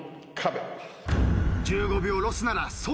１５秒ロスなら即